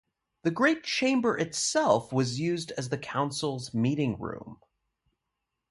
The Great Chamber itself was used as the council's meeting room.